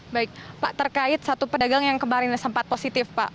baik pak terkait satu pedagang yang kemarin sempat positif pak